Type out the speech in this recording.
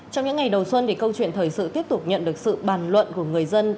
trong những ngày đầu xuân thì câu chuyện thời sự tiếp tục nhận được sự bàn luận của người dân